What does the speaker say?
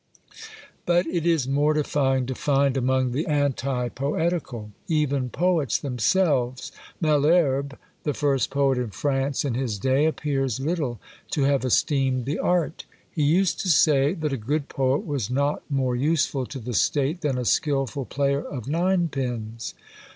But it is mortifying to find among the anti poetical even poets themselves! Malherbe, the first poet in France in his day, appears little to have esteemed the art. He used to say that "a good poet was not more useful to the state than a skilful player of nine pins!"